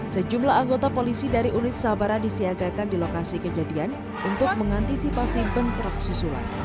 sejumlah anggota polisi dari unit sabara disiagakan di lokasi kejadian untuk mengantisipasi bentrok susulan